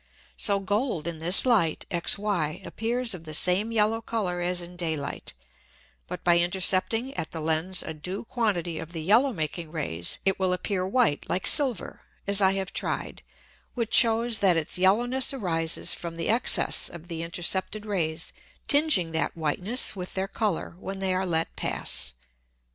So Gold in this Light XY appears of the same yellow Colour as in Day light, but by intercepting at the Lens a due Quantity of the yellow making Rays it will appear white like Silver (as I have tried) which shews that its yellowness arises from the Excess of the intercepted Rays tinging that Whiteness with their Colour when they are let pass.